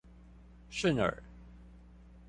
順耳